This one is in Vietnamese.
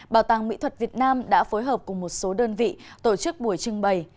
bảo tàng mỹ thuật việt nam đã phối hợp cùng một số đơn vị tổ chức buổi trưng bày